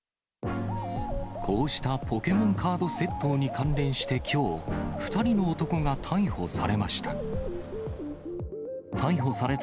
こうしたポケモンカード窃盗に関連してきょう、２人の男が逮捕されました。